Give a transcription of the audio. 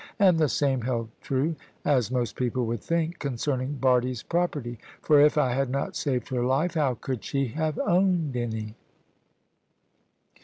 And the same held true, as most people would think, concerning Bardie's property; for if I had not saved her life, how could she have owned any?